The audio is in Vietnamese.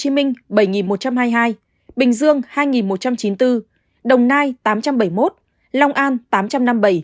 tại tp hcm bảy một trăm hai mươi hai bình dương hai một trăm chín mươi bốn đồng nai tám trăm bảy mươi một long an tám trăm năm mươi bảy